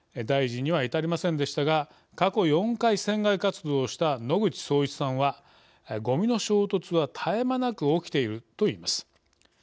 大事には至りませんでしたが過去４回、船外活動をした野口聡一さんは「ごみの衝突は絶え間なく起きている」といいます。